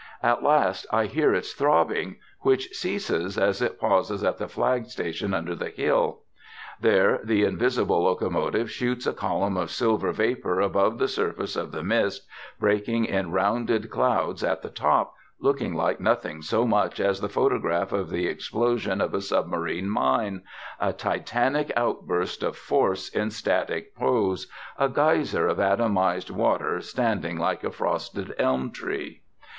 At last I hear its throbbing, which ceases as it pauses at the flag station under the hill. There the invisible locomotive shoots a column of silver vapor above the surface of the mist, breaking in rounded clouds at the top, looking like nothing so much as the photograph of the explosion of a submarine mine, a titanic outburst of force in static pose, a geyser of atomized water standing like a frosted elm tree.